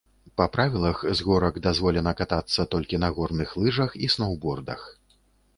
Па правілах, з горак дазволена катацца толькі на горных лыжах і сноўбордах.